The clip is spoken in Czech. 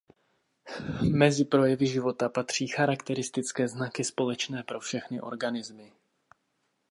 Mezi projevy života patří charakteristické znaky společné pro všechny organismy.